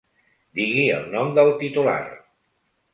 Digui el nom del titular.